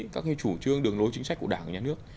các cái chủ trương đường lối chính sách của đảng và nhà nước